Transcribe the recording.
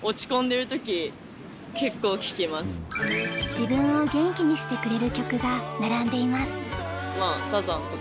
自分を元気にしてくれる曲が並んでいます。